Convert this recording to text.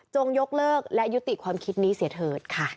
ยกเลิกและยุติความคิดนี้เสียเถิดค่ะ